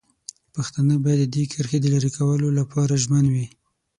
پښتانه باید د دې کرښې د لرې کولو لپاره ژمن وي.